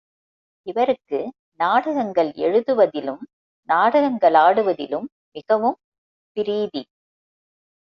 இவருக்கு நாடகங்கள் எழுது வதிலும், நாடகங்களாடுவதிலும் மிகவும் பிரீதி.